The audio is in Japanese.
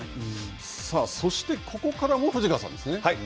そしてここからも藤川さんですね。